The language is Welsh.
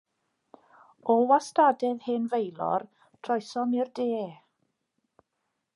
O wastadedd hen Faelor, troesom i'r de.